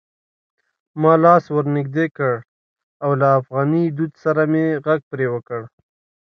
ما لاس ور نږدې کړ او له افغاني دود سره مې غږ پرې وکړ: